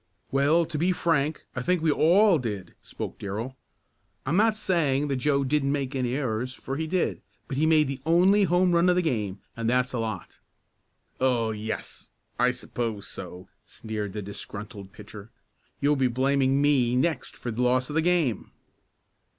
"Well, to be frank, I think we all did," spoke Darrell. "I'm not saying that Joe didn't make any errors, for he did. But he made the only home run of the game, and that's a lot." "Oh, yes, I suppose so," sneered the disgruntled pitcher. "You'll be blaming me next for the loss of the game."